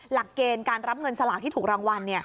หลักเกณฑ์การรับเงินสลากที่ถูกรางวัล